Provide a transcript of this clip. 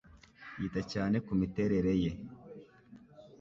Yita cyane kumiterere ye.